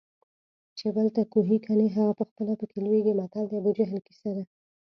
چې بل ته کوهي کني هغه پخپله پکې لویږي متل د ابوجهل کیسه ده